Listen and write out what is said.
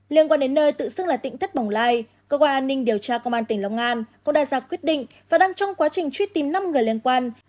liên quan đến nơi tự xưng là tỉnh thất bồng lai cơ quan an ninh điều tra công an tỉnh long an cũng đã ra quyết định và đang trong quá trình truy tìm năm người liên quan